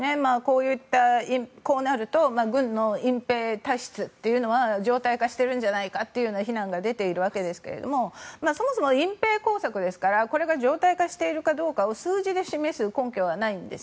こうなると軍の隠ぺい体質というのは常態化しているんじゃないかというような非難が出ているわけですがそもそも、隠ぺい工作ですからこれが常態化しているかどうかを数字で示す根拠はないんです。